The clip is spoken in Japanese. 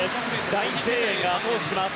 大声援が後押しします。